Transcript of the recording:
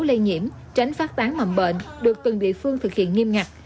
lây nhiễm tránh phát tán mầm bệnh được từng địa phương thực hiện nghiêm ngặt